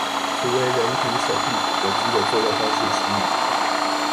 圖為人體手臂骨骼肌的作用方式示意圖